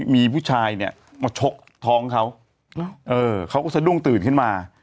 มีผู้ชายเนี่ยมาชกท้องเขาเขาก็สะดุ้งตื่นขึ้นมา